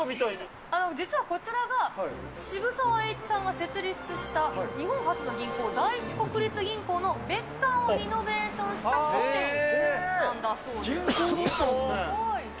実はこちらが、渋沢栄一さんが設立した日本初の銀行、第一国立銀行の別館をリノベーションしたホテルなんだそうです。